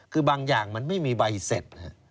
คือบางอย่างมันไม่มีใบเสร็จ